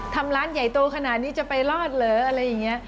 ทำร้านใหญ่โตขนาดนี้จะไปรอดเหรออะไรอย่างนี้